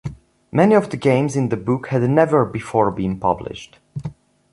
Many of the games in the book had never before been published.